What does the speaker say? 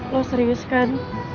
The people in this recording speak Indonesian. lo serius kan